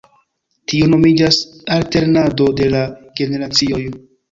Tiu nomiĝas alternado de la generacioj.